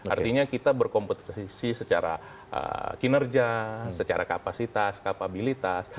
artinya kita berkompetisi secara kinerja secara kapasitas kapabilitas